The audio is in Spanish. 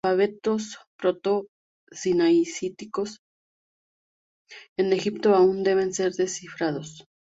Los alfabetos proto-sinaíticos de Egipto aún deben ser descifrados.